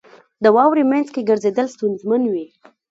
• د واورې مینځ کې ګرځېدل ستونزمن وي.